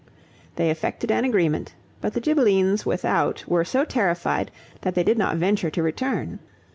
They effected an agreement, but the Ghibellines without were so terrified that they did not venture to return.